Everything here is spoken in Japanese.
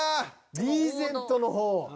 リーゼントの方。